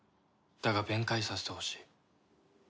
だが弁解させてほしい。